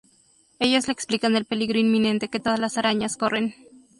Ellos le explican el peligro inminente que todas las arañas corren.